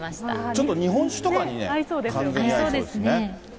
ちょっと日本酒とかに完全に合いそうですね。